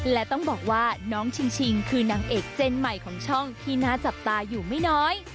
และต้องบอกว่าน้องชิงคือนางเอกเจนใหม่ของช่องที่น่าจับตาอยู่ไม่น้อย